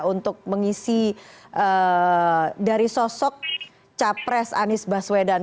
untuk mengisi dari sosok capres anies baswedan